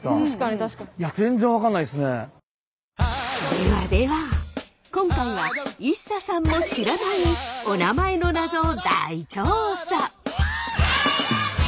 ではでは今回はＩＳＳＡさんも知らないお名前のナゾを大調査！